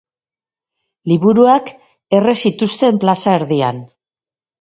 Liburuak erre zituzten plaza erdian.